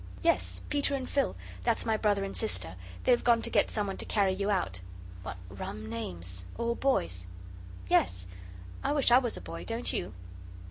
"Yes, Peter and Phil that's my brother and sister. They've gone to get someone to carry you out." "What rum names. All boys'." "Yes I wish I was a boy, don't you?"